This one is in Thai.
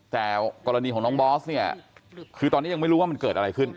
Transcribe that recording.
แต่กรณีของน้องบอสเนี่ยคือตอนนี้ยังไม่รู้ว่ามันเกิดอะไรขึ้น